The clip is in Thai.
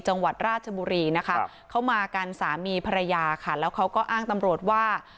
จังหวัดราชบุรีนะคะเขามากันสามีภรรยาค่ะแล้วเขาก็อ้างตำรวจว่า